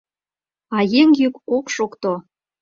А еҥ йӱк ок шокто.